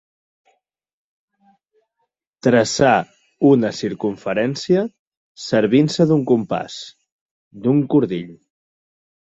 Traçar una circumferència servint-se d'un compàs, d'un cordill.